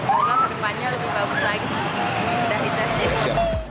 ya semoga berdepannya lebih baik